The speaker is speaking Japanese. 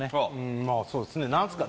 まあそうですね何すか？